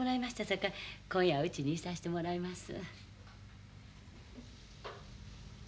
さかい今夜はうちにいさしてもらいます。